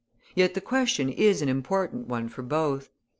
Yet the question is an important one for both.